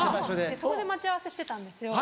そこで待ち合わせしてたんですよ。